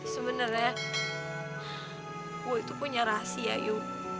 sebenernya gue itu punya rahasia ayu